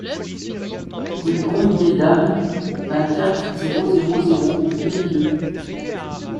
Rue Combe des Dames, vingt-quatre, zéro zéro zéro Périgueux